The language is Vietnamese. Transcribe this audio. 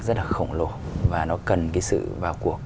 rất là khổng lồ và nó cần cái sự vào cuộc